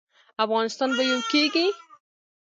افغانستان به یو کیږي؟